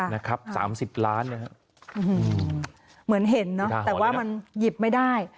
อ๋อนะครับ๓๐ล้านเหมือนเห็นเนอะแต่ว่ามันหยิบไม่ได้